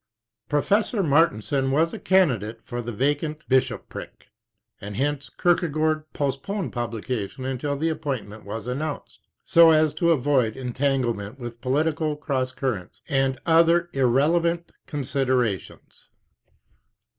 Professor Martensen was a candidate for the vacant bishopric, and hence Kierkegaard postponed publication until the appointment was announced, so as to avoid entanglement with political cross currents and other irrelevant considerations.